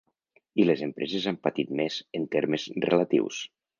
I les empreses han patit més, en termes relatius.